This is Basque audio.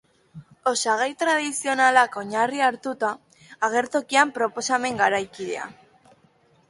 Osagai tradizionalak oinarri hartuta, agertokian proposamen garaikidea garatzen dute.